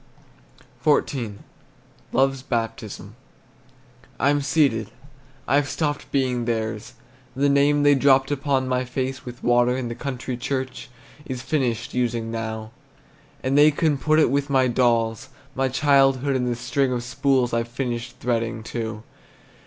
XIV. LOVE'S BAPTISM. I'm ceded, I've stopped being theirs; The name they dropped upon my face With water, in the country church, Is finished using now, And they can put it with my dolls, My childhood, and the string of spools I've finished threading too.